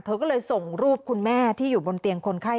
เธอก็เลยส่งรูปคุณแม่ที่อยู่บนเตียงคนไข้